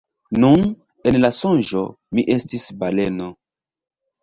Nun, en la sonĝo, mi estis baleno.